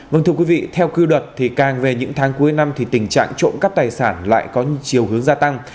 vâng thưa quý vị theo cư luật thì càng về những tháng cuối năm thì tình trạng trộm cắp tài sản lại có chiều hướng gia tăng